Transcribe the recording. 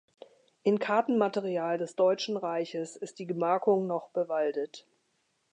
In Kartenmaterial des Deutschen Reiches ist die Gemarkung noch bewaldet.